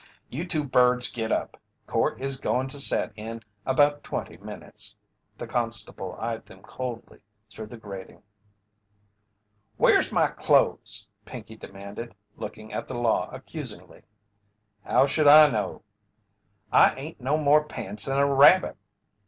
"You two birds get up. Court is goin' to set in about twenty minutes." The constable eyed them coldly through the grating. "Where's my clothes?" Pinkey demanded, looking at the Law accusingly. "How should I know?" "I ain't no more pants than a rabbit!"